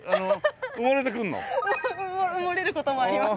埋もれる事もあります。